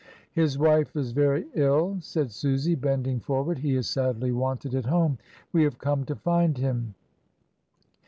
"His wife is very ill," said Susy, bending for ward; "he is sadly wanted at home. We have come to find him."